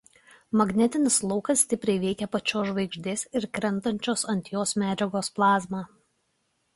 Magnetinis laukas stipriai veikia pačios žvaigždės ir krentančios ant jos medžiagos plazmą.